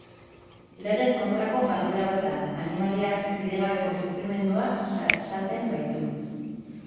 Legez kontrako jarduera bat da, animaliak bidegabeko sufrimendua jasaten baitu.